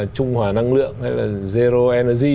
trung hòa năng lượng hay là zero energy